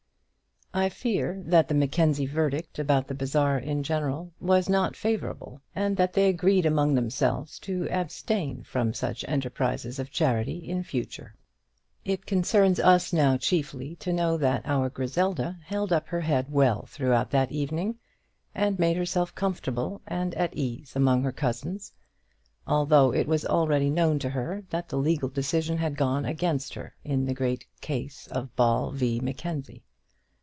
I fear that the Mackenzie verdict about the bazaar in general was not favourable and that they agreed among themselves to abstain from such enterprises of charity in future. It concerns us now chiefly to know that our Griselda held up her head well throughout that evening, and made herself comfortable and at her ease among her cousins, although it was already known to her that the legal decision had gone against her in the great case of Ball v. Mackenzie.